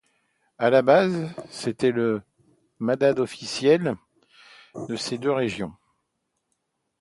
À la base, c'était le madhhab officiel de ces deux régions.